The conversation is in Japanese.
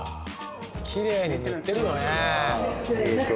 きれいに塗ってるのね。